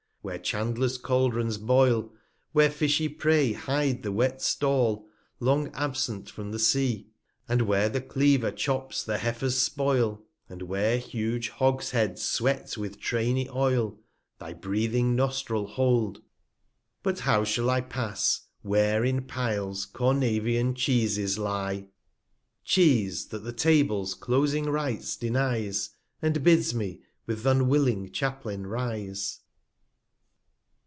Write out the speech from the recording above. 126 Where Chandlers Cauldrons boil; where fishy Prey Hide the wet Stall, long absent from the Sea; And where the Cleaver chops the Heifer's Spoil, And where huge Hogsheads sweat with trainy Oil, Thy breathing Nostril hold; but how shall I 131 Pass, where in Piles t Cornavian Cheeses lye; * Thames street. f Cheshire anciently so called. 20 TRIVIA Cheese, that the Table's closing Rites denies, And bids me with th' unwilling Chaplain rise.